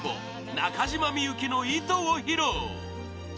中島みゆきの「糸」を披露